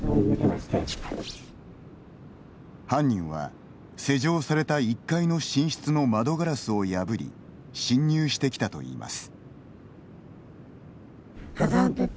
犯人は、施錠された１階の寝室の窓ガラスを破り侵入してきたといいます。